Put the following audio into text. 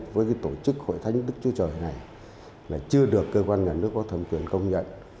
với tổ chức hội thánh đức chúa trời này là chưa được cơ quan nhà nước có thẩm quyền công nhận